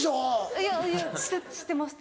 いやいやしてました。